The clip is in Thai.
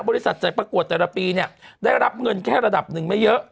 บริษัทใจประกวดแต่ละปีเนี่ยได้รับเงินแค่ระดับหนึ่งไม่เยอะ